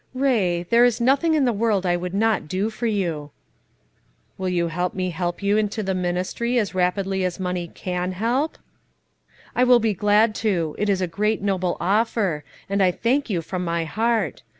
"Ray, there is nothing in the world I would not do for you." "Will you let me help you into the ministry, as rapidly as money can help?" "I will be glad to; it is a great, noble offer, and I thank you from my heart.